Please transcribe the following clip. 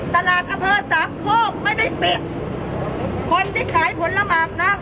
ตลาดกระเพอร์สามโคกไม่ได้ปิดคนที่ขายผลละหมากนัก